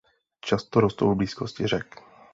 Často rostou v blízkosti řek.